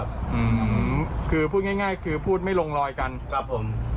อืมคือพูดง่ายง่ายคือพูดไม่ลงรอยกันครับผม